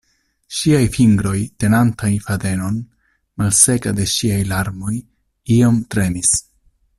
Ŝiaj fingroj, tenantaj fadenon, malseka de ŝiaj larmoj, iom tremis.